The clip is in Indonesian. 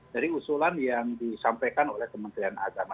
dari usulan yang disampaikan oleh kementerian agama